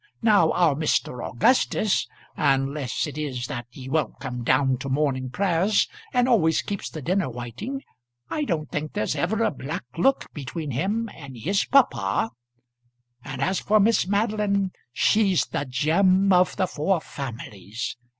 Now our Mr. Augustus, unless it is that he won't come down to morning prayers and always keeps the dinner waiting, I don't think there's ever a black look between him and his papa. And as for Miss Madeline, she's the gem of the four families.